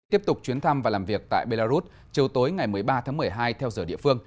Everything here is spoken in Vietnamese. tiếp tục chuyến thăm và làm việc tại belarus chiều tối ngày một mươi ba tháng một mươi hai theo giờ địa phương